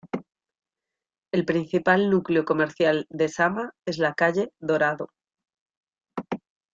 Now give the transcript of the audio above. El principal núcleo comercial de Sama es la calle Dorado.